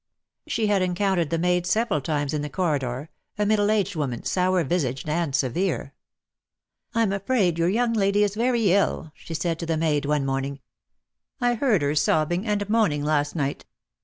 She had encountered 12 DEAD LOVE HAS CHAINS. the maid several times in the corridor, a middle aged woman, sour visaged and severe. "I'm afraid your young lady is very ill," she said to the maid one morning. "I heard her sobbing and moaning last night."